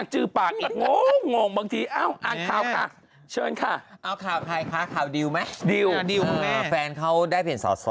จืบปากเพื่ออะไร